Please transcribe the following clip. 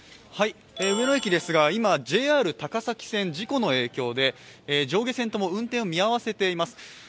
今、ＪＲ高崎線、事故の影響で上下線とも運転を見合わせています。